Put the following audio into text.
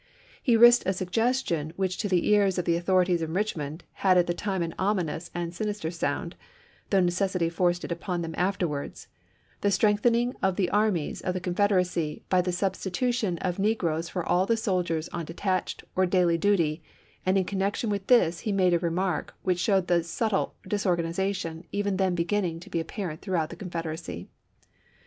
He risked a suggestion which to the ears of the au thorities in Richmond had at the time an ominous and sinister sound, though necessity forced it upon them afterwards, the strengthening of the armies of the Confederacy by the substitution of negroes for all the soldiers on detached or daily duty, and in connection with this he made a remark which showed the subtle disorganization even then begin ning to be apparent throughout the Confederacy.